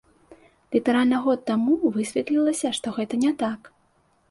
Літаральна год таму высветлілася, што гэта не так.